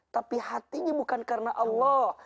tapi hatinya bukan karena allah